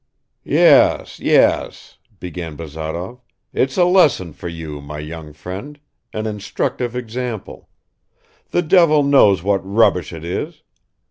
"Yes, yes," began Bazarov, "it's a lesson for you, my young friend, an instructive example. The devil knows what rubbish it is.